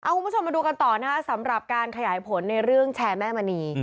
คุณผู้ชมมาดูกันต่อนะคะสำหรับการขยายผลในเรื่องแชร์แม่มณี